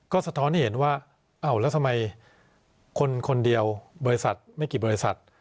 ก็สะท้อนให้เห็นว่าอ้าวแล้วทำไมคนคนเดียวบริษัทไม่กี่บริษัท